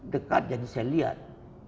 dekat jadi saya lihat